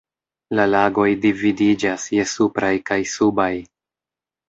La lagoj dividiĝas je supraj kaj subaj.